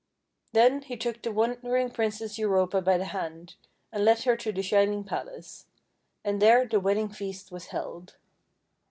Then he took the wondering Princess Europa by the hand, and led her to the shining palace. And there the wedding feast was held.